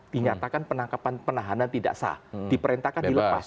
dinyatakan penangkapan penahanan tidak sah diperintahkan dilepas